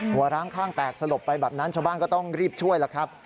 ร้างข้างแตกสลบไปแบบนั้นชาวบ้านก็ต้องรีบช่วยล่ะครับ